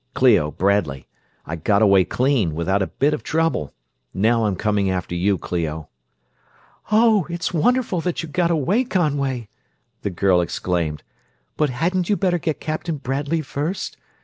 "Clio, Bradley I got away clean, without a bit of trouble. Now I'm coming after you, Clio." "Oh, it's wonderful that you got away, Conway!" the girl exclaimed. "But hadn't you better get Captain Bradley first?